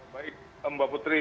baik mbak putri